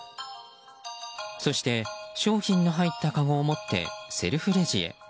そして商品の入ったかごを持ってセルフレジへ。